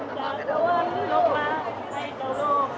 จากสวรรค์ลงมาให้กระโลก